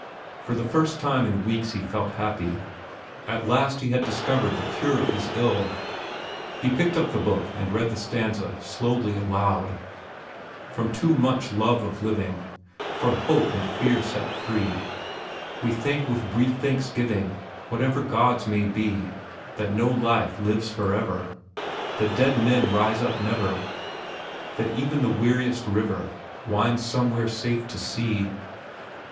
For the first time in weeks he felt happy. At last he had discovered the cure of his ill. He picked up the book and read the stanza slowly aloud: "'From too much love of living, From hope and fear set free, We thank with brief thanksgiving Whatever gods may be That no life lives forever; That dead men rise up never; That even the weariest river Winds somewhere safe to sea.